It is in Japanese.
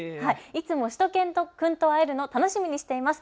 いつも、しゅと犬くんと会えるの、楽しみにしています。